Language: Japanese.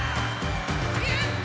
やった！